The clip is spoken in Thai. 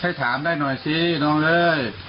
ให้ถามได้หน่อยสิน้องเอ้ย